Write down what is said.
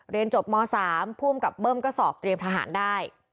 เรียนจบม๓ภูมิกับเบิ้มก็สอบเตรียมทหารได้